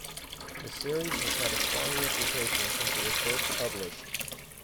The series has had a strong reputation since it was first published.